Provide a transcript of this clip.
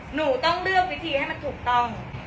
หนูต้องเลือกวิธีให้มันถูกต้อง